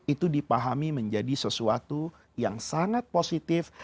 itu dipahami menjadi sesuatu yang sangat positif